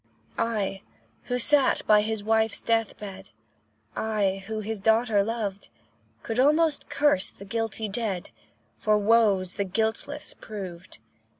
I, who sat by his wife's death bed, I, who his daughter loved, Could almost curse the guilty dead, For woes the guiltless proved.